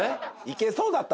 いけそうだっ